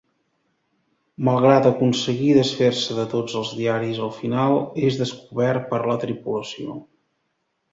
Malgrat aconseguir desfer-se de tots els diaris al final és descobert per la tripulació.